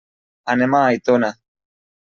Anem a Aitona.